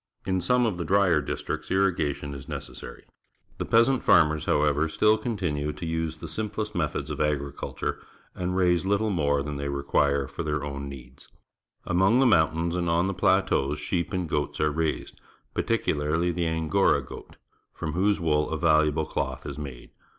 In some of the drier districts irriga tion is necessary. The peasant farmers, however, still continue to use the simplest methods of agriculture and raise little more than they require for their own needs. Among the mountains and on the plateaus sheep and goats are raised, particularh^ the Angora goat, from whose wool a valuable cloth is made.